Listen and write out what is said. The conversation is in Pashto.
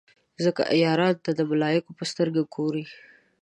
ځکه عیارانو ته د ملایکو په سترګه ګوري.